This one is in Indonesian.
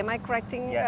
saya benar ya